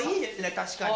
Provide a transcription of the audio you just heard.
確かに。